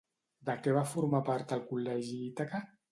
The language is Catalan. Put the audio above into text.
De què va formar part al col·legi Ítaca?